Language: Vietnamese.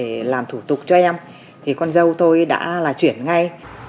để làm thủ tục cho em thì con dâu tôi đã là chuyển ngay